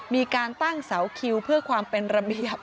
มีการตั้งเสาคิวเพื่อความเป็นระเบียบ